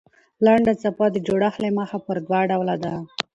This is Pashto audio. لنډه څپه د جوړښت له مخه پر دوه ډوله ده.